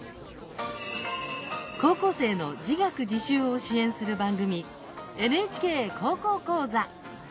高校生の自学・自習を支援する番組「ＮＨＫ高校講座」。